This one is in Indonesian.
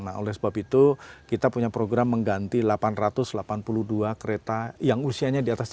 nah oleh sebab itu kita punya program mengganti delapan ratus delapan puluh juta orang yang berusia dua puluh tahun ke atas ini